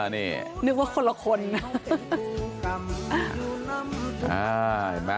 นึกว่าคนละคนนะ